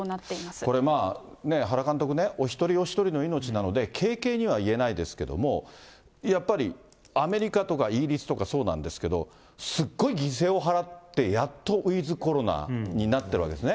これ、原監督ね、お一人お一人の命なので、軽々には言えないですけれども、やっぱりアメリカとかイギリスとかそうなんですけど、すっごい犠牲を払って、やっとウィズコロナになってるわけですね。